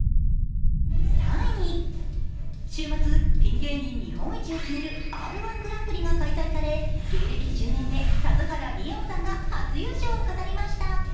３位、週末、ピン芸人日本一を決める「Ｒ−１グランプリ」が開催され芸歴１０年目、田津原理音さんが初優勝を飾りました。